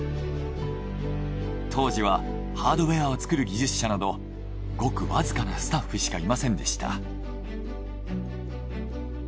当時はハードウェアを作る技術者などごくわずかなスタッフしかいませんでした。